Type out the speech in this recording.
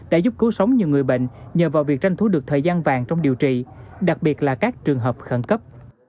đã giúp cứu sống nhiều người bệnh nhờ vào việc tranh thú được thời gian vàng trong điều trị đặc biệt là các trường hợp khẩn cấp